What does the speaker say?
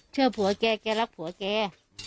เชื่อผัวแกแกรักผัวแก